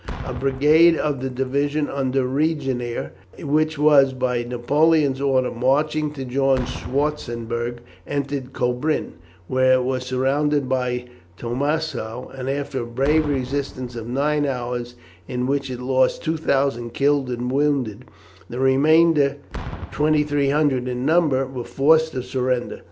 A brigade of the division under Regnier, which was by Napoleon's order marching to join Schwarzenberg, entered Kobrin, where it was surrounded by Tormanssow, and after a brave resistance of nine hours, in which it lost 2000 killed and wounded, the remainder, 2300 in number, were forced to surrender.